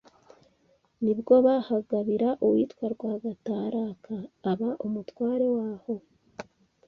Nibwo bahagabira uwitwa Rwagataraka aba Umutware waho